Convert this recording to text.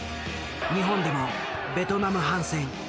日本でもベトナム反戦